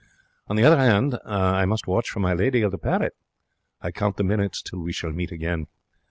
On the other 'and, I must watch for my lady of the parrot. I count the minutes till we shall meet again.